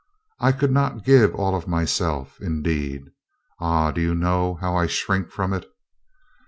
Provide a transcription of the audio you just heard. "I could not give all of myself, indeed. Ah, do you know how I shrink from it?"